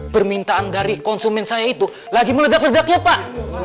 permintaan dari konsumen saya itu lagi melegak legaknya pak